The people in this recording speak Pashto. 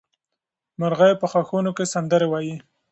مرغۍ په ښاخونو کې سندرې وایي.